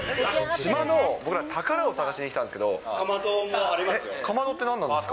島の僕ら、宝を探しに来たんですけど、カマドって何なんですか？